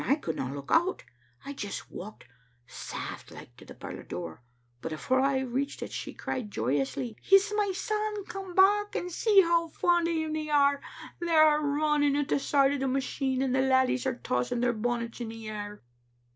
I oouldna look out; I just walked saf t like to the parlor door, but afore I reached it she cried joyously— ''*It's my son come back, and see how fond o' him they are ! They are running at the side o' the machine, and the laddies are tossing their bonnets in the air.